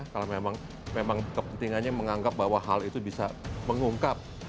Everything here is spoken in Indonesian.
kalau memang kepentingannya menganggap bahwa hal itu bisa mengungkap